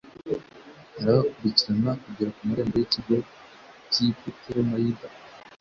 arabakurikirana kugera ku marembo y'ikigo cy'i putolemayida